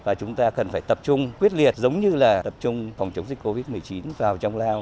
và chúng ta cần phải tập trung quyết liệt giống như là tập trung phòng chống dịch covid một mươi chín vào trong lao